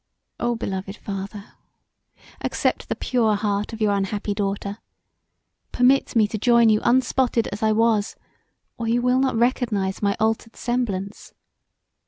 Oh, beloved father! Accept the pure heart of your unhappy daughter; permit me to join you unspotted as I was or you will not recognize my altered semblance.